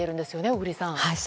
小栗さん。